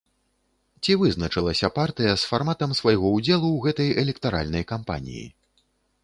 Ці вызначылася партыя з фарматам свайго ўдзелу ў гэтай электаральнай кампаніі?